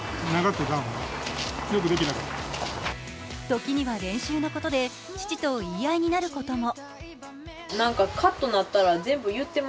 時に練習のことで父と言い合いになることも。